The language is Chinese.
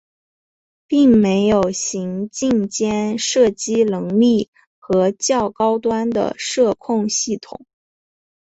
并没有行进间射击能力和较高端的射控系统。